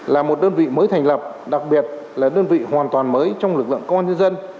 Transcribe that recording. là một đơn vị mới thành lập đặc biệt là đơn vị hoàn toàn mới trong lực lượng công an nhân dân